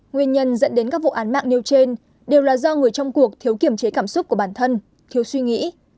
nguyên nhân dẫn đến các vụ án mạng nêu trên đều là do người trong cuộc thiếu kiểm chế cảm xúc của bản thân thiếu suy nghĩ